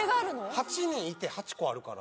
８人いて、８個あるから。